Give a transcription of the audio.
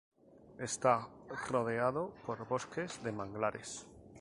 Está rodeado por bosques de manglares.